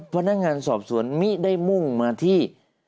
พนักงานสอบสวนมิได้มุ่งมาที่